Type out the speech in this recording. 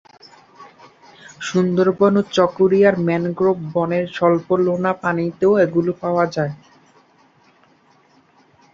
সুন্দরবন ও চকোরিয়ার ম্যানগ্রোভ বনের স্বল্পলোনা পানিতেও এগুলি পাওয়া যায়।